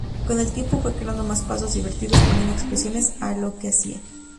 Con el tiempo fue creando más pasos divertidos, poniendo expresiones a lo que hacia.